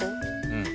うん。